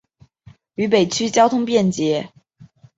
渝北区交通便捷。